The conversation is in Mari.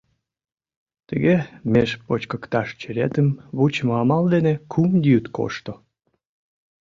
Тыге меж почкыкташ черетым вучымо амал дене кум йӱд кошто.